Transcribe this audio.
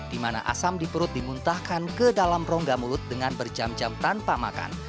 di mana asam di perut dimuntahkan ke dalam rongga mulut dengan berjam jam tanpa makan